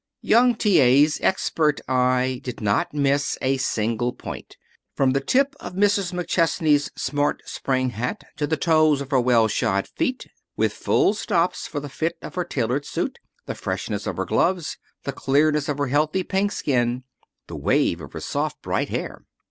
Young T. A.'s expert eye did not miss a single point, from the tip of Mrs. McChesney's smart spring hat to the toes of her well shod feet, with full stops for the fit of her tailored suit, the freshness of her gloves, the clearness of her healthy pink skin, the wave of her soft, bright hair.